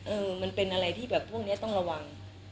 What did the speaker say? เออมันเป็นอะไรที่แบบพวกนี้ต้องระวัง